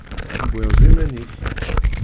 Tewwiḍ-d iman-ik.